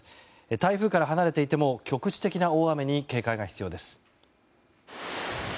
台風から離れていても局地的な大雨に警戒が必要です。